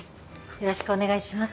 よろしくお願いします